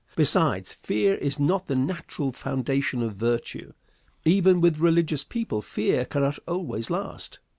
Besides, fear is not the natural foundation of virtue. Even with religious people fear cannot always last.